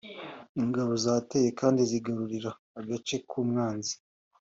ingabo zateye kandi zigarurira agace k'umwanzi.